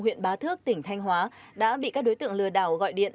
huyện bá thước tỉnh thanh hóa đã bị các đối tượng lừa đảo gọi điện